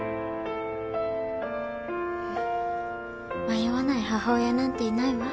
迷わない母親なんていないわ